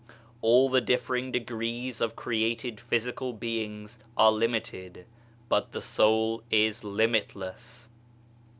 All the differing degrees of created physical beings are limited, but the Soul is limitless